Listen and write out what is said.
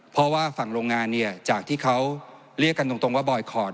เพราะว่าฝั่งโรงงานเนี่ยจากที่เขาเรียกกันตรงว่าบอยคอร์ด